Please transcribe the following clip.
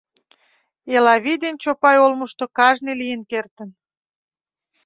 Элавий ден Чопай олмышто кажне лийын кертын.